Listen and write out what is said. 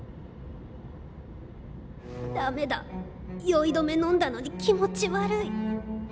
酔い止めのんだのに気持ち悪い。